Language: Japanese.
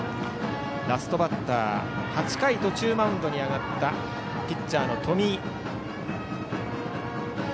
ラストバッター、８回途中からマウンドに上がったピッチャーの冨井。